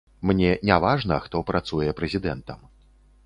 Мне не важна, хто працуе прэзідэнтам.